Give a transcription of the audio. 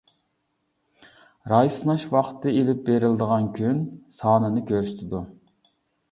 راي سىناش ۋاقتى-ئېلىپ بېرىلىدىغان كۈن سانىنى كۆرسىتىدۇ.